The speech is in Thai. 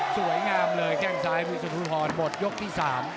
สวยงามเลยแข้งซ้ายคุณสุธุพรหมดยกที่๓